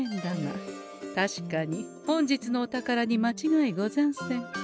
確かに本日のお宝にまちがいござんせん。